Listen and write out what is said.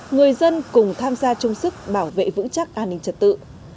người dân cùng tham gia chung sức bảo vệ vững chắc an ninh trật tự